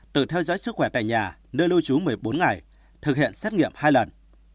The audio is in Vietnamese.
tự theo dõi sức khỏe tại nhà nơi lưu trú một mươi bốn ngày thực hiện xét nghiệm hai lần